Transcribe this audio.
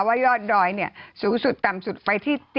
ว่ายอดดอยเนี่ยสูงสุดต่ำสุดไปที่